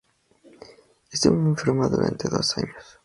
Estuvo enferma durante dos años.